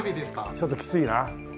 ちょっときついな。